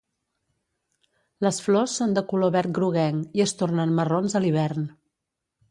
Les flors són de color verd groguenc i es tornen marrons a l'hivern.